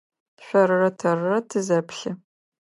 Шъорырэ тэрырэ тызэплъы.